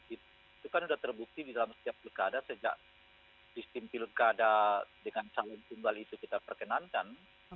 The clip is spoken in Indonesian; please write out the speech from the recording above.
itu kan sudah terbukti di dalam setiap pilkada sejak sistem pilkada dengan calon tunggal itu kita perkenankan